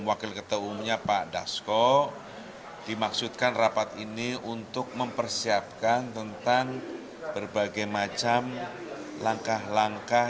wakil ketua umumnya pak dasko dimaksudkan rapat ini untuk mempersiapkan tentang berbagai macam langkah langkah